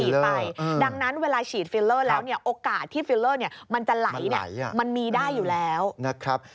ดังนั้นเวลาฉีดฟิลเลอร์แล้วเนี่ยโอกาสที่ฟิลเลอร์มันจะไหลมันมีได้อยู่แล้วนะครับ